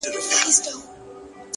زه او زما ورته ياران!!